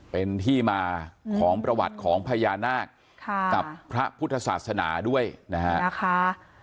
เป็นที่มาของประวัติของพญานาคกับพระพุทธศาสนาด้วยนะฮะ